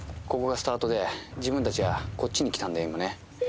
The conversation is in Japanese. ここがスタートで自分たちはこっちに来たんだよ今ね。